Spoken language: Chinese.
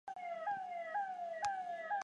齐军得以迅速攻破宋国都城。